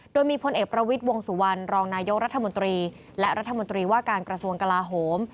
โดยมีพลเอกประวิทย์วงสุวรรณรองนายกรัฐมนตรีและรัฐมนตรีว่าการกระทรวงกลาโหม